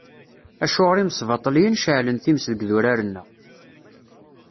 Acuɣer imsbaṭliyen ceεlen times deg yidurar-nneɣ!